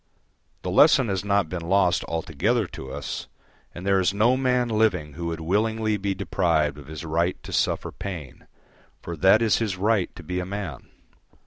The lesson has not been lost altogether to us, and there is no man living who would willingly be deprived of his right to suffer pain, for that is his right to be a man.